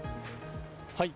はい。